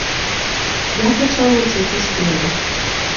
Я пачаў вучыцца спеву.